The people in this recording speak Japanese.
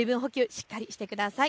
しっかりしてください。